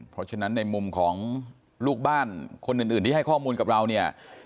เพราะฉะนั้นในมุมของลูกบ้านคนอื่นที่ให้ข้อมูลกับเราเนี่ย